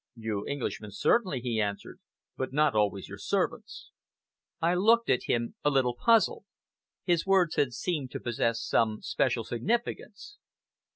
"You Englishmen, certainly," he answered, "but not always your servants." I looked at him a little puzzled. His words had seemed to possess some special significance.